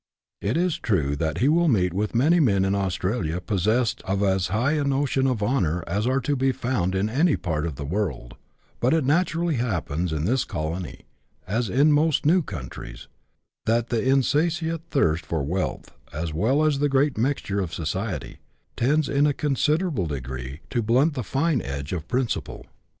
It is true that he will meet with many men in Australia possessed of as high no tions of honour as are to be found in any part of the world ; but it naturally happens in this colony, as in most new countries, that the insatiate thirst for wealth, as well as the great mixture of society, tends, in a considerable degree, to blunt the fine edge of principle.